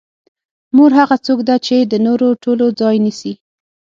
مور هغه څوک ده چې د نورو ټولو ځای نیسي.